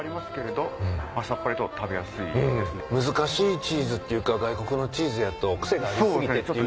難しいチーズっていうか外国のチーズやと癖があり過ぎてっていう。